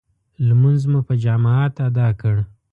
لمونځ مو په جماعت ادا کړ.